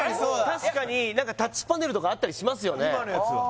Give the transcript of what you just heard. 確かに何かタッチパネルとかあったりしますよね？